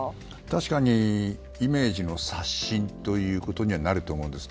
確かに、イメージの刷新ということにはなると思うんです。